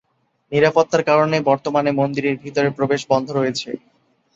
নিরাপত্তার কারণে বর্তমানে মন্দিরের ভিতরে প্রবেশ বন্ধ রয়েছে।